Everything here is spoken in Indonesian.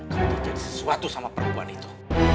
kalau terjadi sesuatu sama perempuan itu